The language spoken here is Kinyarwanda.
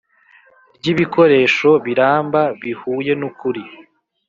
ry ibikoresho biramba bihuye n ukuri